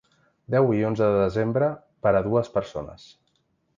Deu i onze de desembre, per a dues persones.